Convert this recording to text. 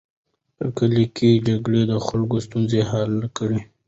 په کلي کې جرګې د خلکو ستونزې حل کوي.